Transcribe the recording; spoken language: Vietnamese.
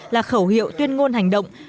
là khẩu hiệu tuyên ngôn hành động